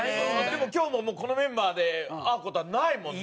でも今日もこのメンバーで会う事はないもんね。